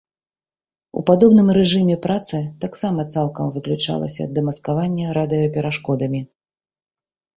У падобным рэжыме працы таксама цалкам выключалася дэмаскаванне радыёперашкодамі.